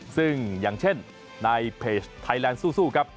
ซึ่งอย่างเช่นในเพจไทยแลนด์สู้ครับ